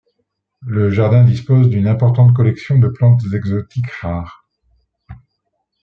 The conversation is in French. Le jardin dispose d'une importante collection de plantes exotiques rares.